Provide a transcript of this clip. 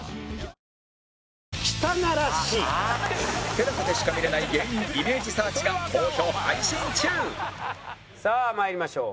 ＴＥＬＡＳＡ でしか見れない芸人イメージサーチが好評配信中さあ参りましょう。